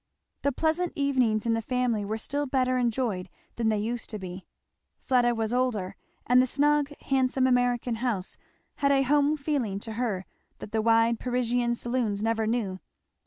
The pleasant evenings in the family were still better enjoyed than they used to he; Fleda was older; and the snug handsome American house had a home feeling to her that the wide Parisian saloons never knew.